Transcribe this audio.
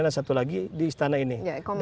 dan satu lagi di istana ini